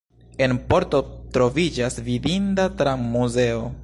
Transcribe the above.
En Porto troviĝas vidinda tram-muzeo.